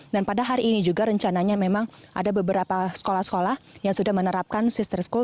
dan pada hari ini juga rencananya memang ada beberapa sekolah sekolah yang sudah menerapkan sister school